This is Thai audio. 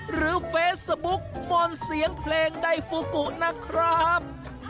หรือเฟซบุ๊กมอนเสียงเพลงไดฟูกุนะครับ